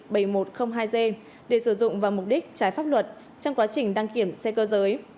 và trung tâm đăng kiểm một trăm linh hai g để sử dụng vào mục đích trái pháp luật trong quá trình đăng kiểm xe cơ giới